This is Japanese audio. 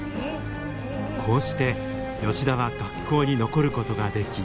こうして吉田は学校に残ることができ。